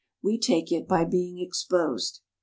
We take it by being exposed.